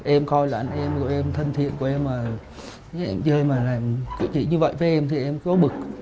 em coi là anh em em thân thiện của em mà em chơi mà làm cái gì như vậy với em thì em có bực